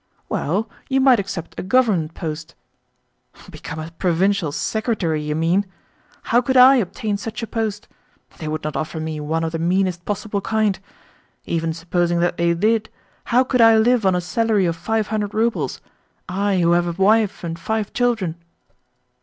"Well, you might accept a Government post." "Become a provincial secretary, you mean? How could I obtain such a post? They would not offer me one of the meanest possible kind. Even supposing that they did, how could I live on a salary of five hundred roubles I who have a wife and five children?"